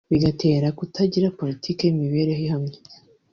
bigatera kutagira politiki y’imiyoborere ihamye “political stability”